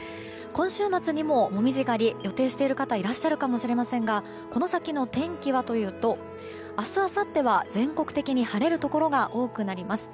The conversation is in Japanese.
今週末にも、紅葉狩り予定している方もいらっしゃるかもしれませんがこの先の天気はというと明日あさっては全国的に晴れるところが多くなります。